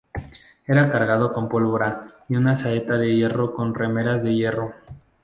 Era cargado con pólvora y una saeta de hierro con remeras de hierro.